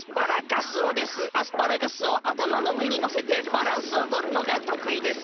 アスパラガスをあたまのうえにのせてバランスをとるのがとくいです。